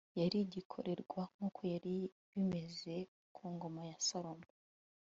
yari igikorerwa nkuko yari bimeze ku ngoma ya Salomo